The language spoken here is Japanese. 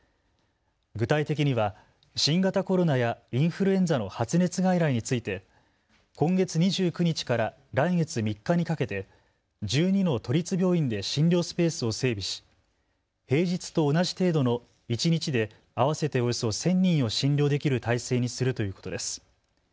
具体的には新型コロナやインフルエンザの発熱外来について今月２９日から来月３日にかけて１２の都立病院で診療スペースを整備し平日と同じ程度の一日で合わせておよそ１０００人を診療できる体制にするということです。